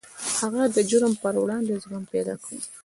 هغه د جرم پر وړاندې زغم پیدا کوي